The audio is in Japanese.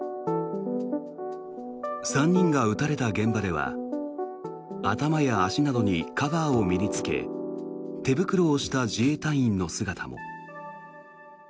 ３人が撃たれた現場では頭や足などにカバーを身に着け手袋をした自衛隊員の姿も。